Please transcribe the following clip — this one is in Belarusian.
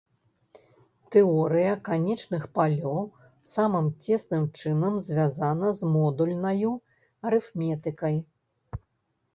Тэорыя канечных палёў самым цесным чынам звязана з модульнаю арыфметыкай.